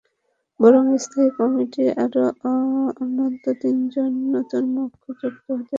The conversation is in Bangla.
বরং স্থায়ী কমিটিতে আরও অন্তত তিনজন নতুন মুখ যুক্ত হতে পারেন।